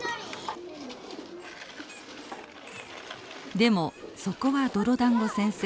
でもそこは泥だんご先生。